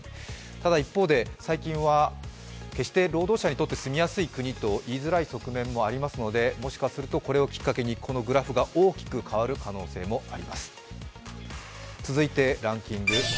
ただ、一方で、最近は決して労働者にとって住みやすい国と言いづらい局面もありますのでの、もしかするとこれをきっかけにこのグラフが大きく変わる可能性もあるかもしれません。